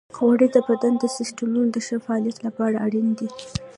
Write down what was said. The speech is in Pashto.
غوړې د بدن د سیستمونو د ښه فعالیت لپاره اړینې دي.